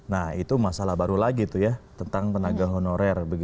nah itu masalah baru lagi tuh ya tentang tenaga honorer